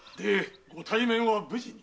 ご対面は無事に？